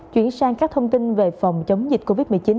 chuyển sang các thông tin về phòng chống dịch covid một mươi chín